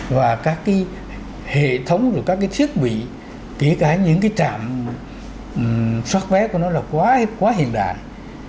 và các cái hệ thống rồi các cái thiết bị kể cả những cái trạm xoát vét của nó là quá hiện đại